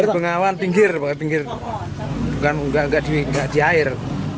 masih di bengawan pinggir bukan di air